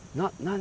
何？